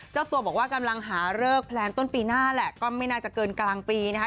เจ้าตัวบอกว่ากำลังหาเลิกแพลนต้นปีหน้าแหละก็ไม่น่าจะเกินกลางปีนะคะ